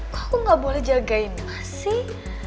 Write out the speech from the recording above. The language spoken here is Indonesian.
kok aku gak boleh jagain mas sih